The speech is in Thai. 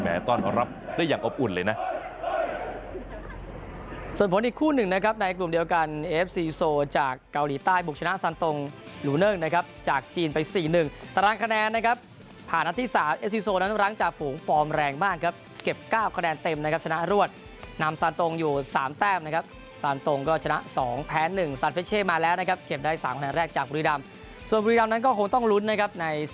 ต้อนรับได้อย่างอบอุ่นเลยนะ